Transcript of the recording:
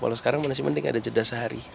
kalau sekarang masih mending ada jeda sehari